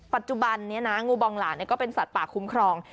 ปัจจุบันนี้นะงูบองหลานก็เป็นสัตว์ป่าคุ้มครอง